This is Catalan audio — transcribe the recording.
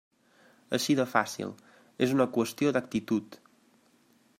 Així de fàcil, és una qüestió d'actitud.